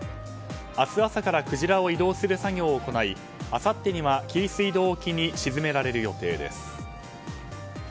明日朝からクジラを移動する作業を行いあさってには紀伊水道沖に沈められる予定です。